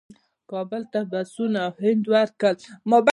کابل ته بسونه هند ورکړل.